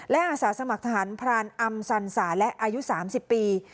และอาสาสมัครทหารพรานอำสรรษะและอายุสามสิบปี